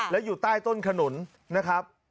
แล้วอยู่ใต้ต้นขนุนนะครับ